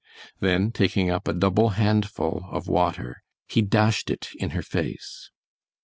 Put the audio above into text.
Then, taking up a double handful of water, he dashed it in her face.